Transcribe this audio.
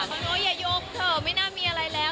ขอโทษอย่ายกเถอะไม่น่ามีอะไรแล้ว